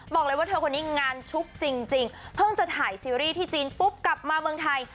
บอกเลยว่าเธอคนนี้งานชุกจริงเพิ่งจะถ่ายซีรีส์ที่จีนปุ๊บกลับมาเมืองไทย